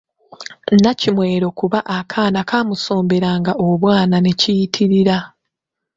Nnakimwero kuba akaaana kaamusomberanga obwana ne kiyitirira.